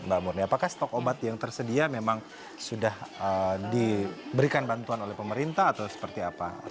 mbak murni apakah stok obat yang tersedia memang sudah diberikan bantuan oleh pemerintah atau seperti apa